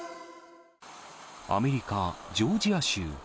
アメリカ・ジョージア州。